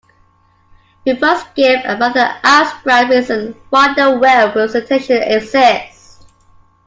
We first give a rather abstract reason why the Weil representation exists.